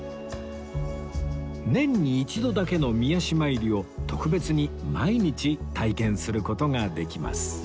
年に一度だけの御足参りを特別に毎日体験する事ができます